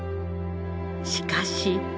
しかし。